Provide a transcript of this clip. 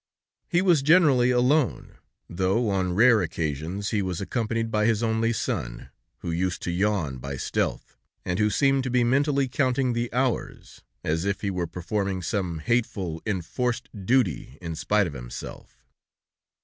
He was generally alone, though on rare occasions he was accompanied by his only son, who used to yawn by stealth, and who seemed to be mentally counting the hours, as if he were performing some hateful, enforced duty in spite of himself.